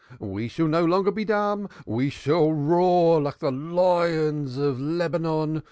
We shall no longer be dumb we shall roar like the lions of Lebanon.